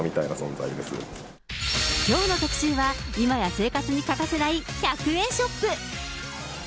きょうの特集は、いまや生活に欠かせない１００円ショップ。